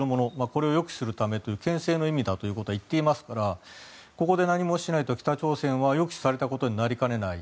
これを抑止するためけん制の意味だと言っていますからここで何もしないと北朝鮮は予期されたことになりかねない。